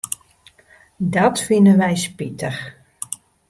Dat fine wy spitich.